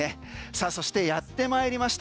さあそしてやってまいりました